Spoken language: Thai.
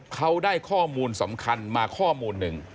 เขาได้ข้อมูลสำคัญมาข้อมูลหนึ่ง